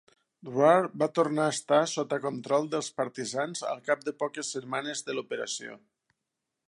Drvar va tornar a estar sota control dels partisans al cap de poques setmanes de l'operació.